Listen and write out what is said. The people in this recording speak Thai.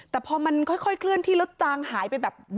แต่พอมันค่อยเคลื่อนที่แล้วจางหายไปแบบ